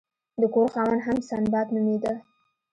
د کور خاوند هم سنباد نومیده.